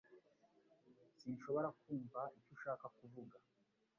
Sinshobora kumva icyo ushaka kuvuga